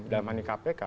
dalam hal kpk